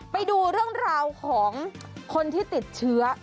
ไปดูเรื่องราวของคนที่ติดเชื้อ